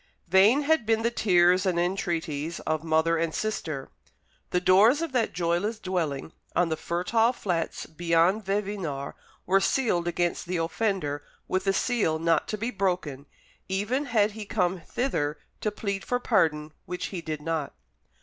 Vain had been the tears and entreaties of mother and sister. The doors of that joyless dwelling on the fertile flats beyond Vevinord were sealed against the offender with a seal not to be broken, even had he come thither to plead for pardon, which he did not.